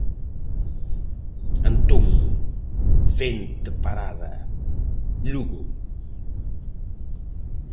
Antón Fente Parada, Lugo.